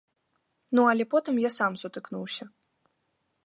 Ну але потым я сам сутыкнуўся.